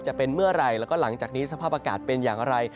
จะเป็นเมื่อไหร่แล้วก็หลังจากนี้สภาพอากาศเป็นอย่างไร